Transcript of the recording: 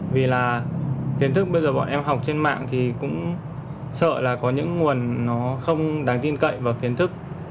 vì là kiến thức bây giờ bọn em học trên mạng thì cũng sợ là có những nguồn nó không đáng tin cậy và kiến thức